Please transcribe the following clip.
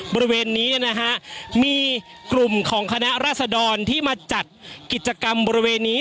บริเวณนี้นะฮะมีกลุ่มของคณะราษดรที่มาจัดกิจกรรมบริเวณนี้